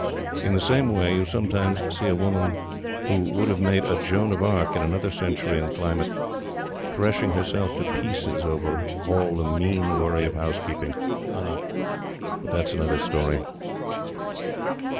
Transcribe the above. In the same way, you sometimes see a woman who would have made a Joan of Arc in another century and climate, threshing herself to pieces over all the mean worry of housekeeping. But that is another story.